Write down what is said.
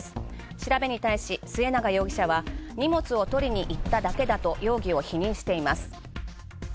調べに対し末永容疑者は荷物を取りにいっただけだと容疑を否認しています。